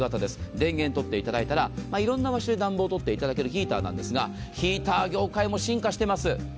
電源取っていただいたらいろんな場所で暖房をとっていただけるヒーターなんですが、ヒーター業界も進化しています。